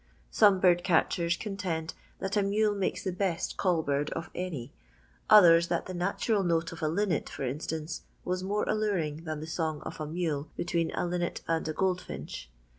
Some bird catchers contend that a mule makes the best call bird of any; others that the natural note of a linnet, for instance, was more alluring than the song of a mule be tween a linnet and a goldtinch.